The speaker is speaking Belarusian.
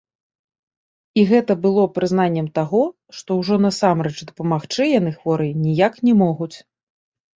І гэта было прызнаннем таго, што ўжо насамрэч дапамагчы яны хворай ніяк не могуць.